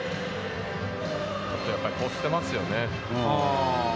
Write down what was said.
やっぱりこすってますよね。